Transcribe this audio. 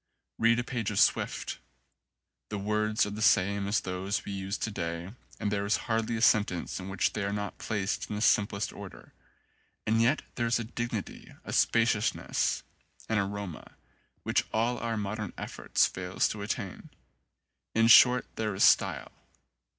Read a page of Swift : the words are the same as those we use to day and there is hardly a sentence in which they are not placed in the simplest order; and yet there is a dignity, a spaciousness, an aroma, which all our modern effort fails to attain: in short there is style.